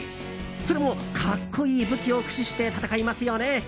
それも格好いい武器を駆使して戦いますよね。